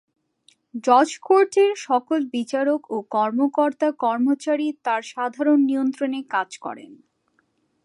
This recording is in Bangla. জজ কোর্টের সকল বিচারক ও কর্মকর্তা-কর্মচারী তার সাধারণ নিয়ন্ত্রণে কাজ করেন।